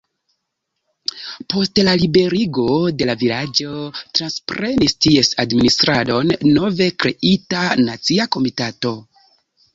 Post la liberigo de la vilaĝo transprenis ties administradon nove kreita nacia komitato.